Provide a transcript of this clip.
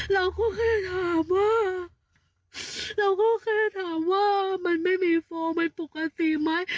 เราก็แค่ถามว่าเราก็แค่ถามว่ามันไม่มีโฟมเป็นปกติไหม